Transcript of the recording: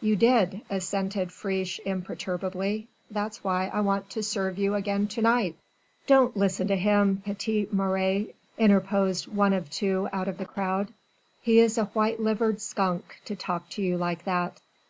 "You did," assented Friche imperturbably. "That's why I want to serve you again to night." "Don't listen to him, petite mère," interposed one of two out of the crowd. "He is a white livered skunk to talk to you like that."